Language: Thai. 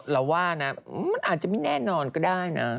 เราว่านะมันอาจจะไม่แน่นอนก็ได้นะ